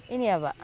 ini ya pak